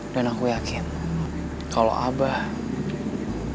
dan aku juga nampaknya mama aku bahagia sayangnya